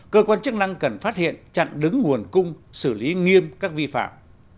cơ quan chức năng cần phát hiện chặn đứng nguồn cung xử lý nghiêm các vi phạm